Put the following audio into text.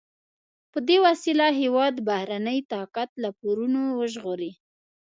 په دې وسیله هېواد د بهرني طاقت له پورونو وژغوري.